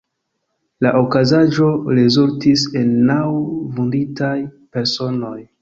La okazaĵo rezultis en naŭ vunditaj personoj.